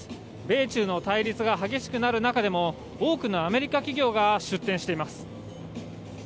米中の対立が激しくなる中でも、多くのアメリカ企業が出展しています。